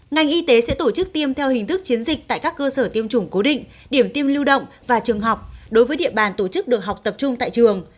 ngành y tế sẽ tổ chức tiêm theo hình thức chiến dịch tại các cơ sở tiêm chủng cố định điểm tiêm lưu động và trường học đối với địa bàn tổ chức được học tập trung tại trường